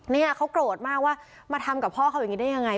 เนี่ยเขาโกรธมากว่ามาทำกับพ่อเขาอย่างนี้ได้ยังไง